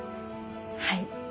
はい。